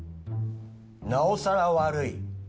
なおさら悪い